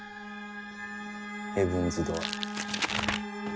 ヘブンズ・ドアー。